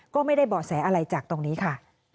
ก็ไม่ได้เบาะแสอะไรจากตรงนี้ค่ะ